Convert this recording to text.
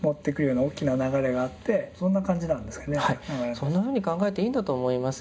そんなふうに考えていいんだと思います。